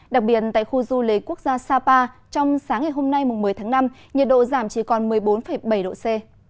đặc biệt tại khu du lịch quốc gia sapa trong sáng ngày hôm nay một mươi tháng năm nhiệt độ giảm chỉ còn một mươi bốn bảy độ c